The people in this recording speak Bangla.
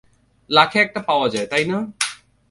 লাখে একটা পাওয়া যায়, তাই না?